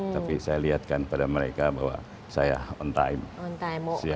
tapi saya lihatkan pada mereka bahwa saya on time